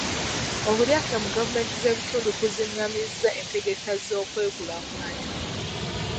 Obulyake mu gavumenti z'ebitundu kuzingamizza entegeka z'okwekulaakulanya.